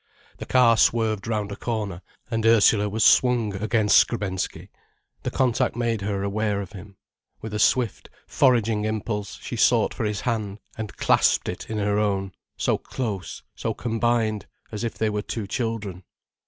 The car swerved round a corner, and Ursula was swung against Skrebensky. The contact made her aware of him. With a swift, foraging impulse she sought for his hand and clasped it in her own, so close, so combined, as if they were two children.